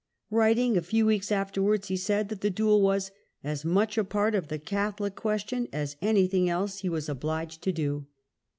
Writing a few weeks afterwards, he said that the duel was " as much a part of the Catholic question as anything else he was obliged X MISERIES OF OFFICE 241 to do."